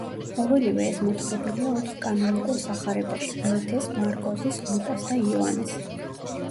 ყოველივე ეს მოთხრობილია ოთხ კანონიკურ სახარებაში: მათეს, მარკოზის, ლუკას და იოანესი.